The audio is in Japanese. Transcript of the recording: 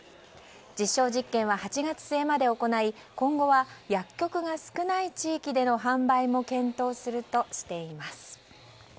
実証実験は８月末まで行い今後は薬局が少ない地域での販売も検討するとしています。